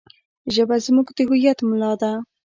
ژبه زموږ د هویت ملا ده.